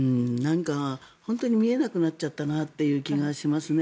本当に見えなくなっちゃったなという気がしますね。